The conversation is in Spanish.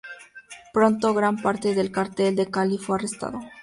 Pronto gran parte del Cartel de Cali fue arrestado.